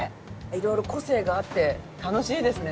色々個性があって楽しいですね。